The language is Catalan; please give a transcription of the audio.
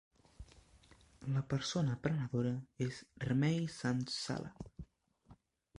La persona prenedora és Remei Sants Sala.